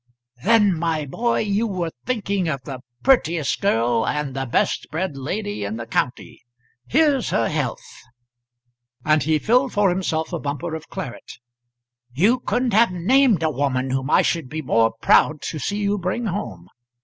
"Then, my boy, you were thinking of the prettiest girl and the best bred lady in the county. Here's her health;" and he filled for himself a bumper of claret. "You couldn't have named a woman whom I should be more proud to see you bring home.